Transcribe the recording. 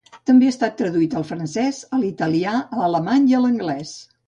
També ha estat traduït al francès, a l'italià, a l'alemany i a l'anglès.